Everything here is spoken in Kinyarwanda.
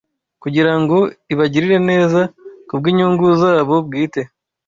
kugira ngo ibagirire neza kubw’inyungu zabo bwite